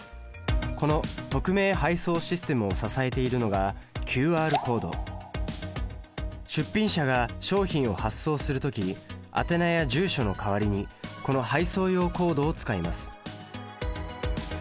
この匿名配送システムを支えているのが出品者が商品を発送する時に宛名や住所の代わりにこの配送用コードを使います。